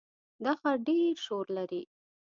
دا ښار ډېر شور لري.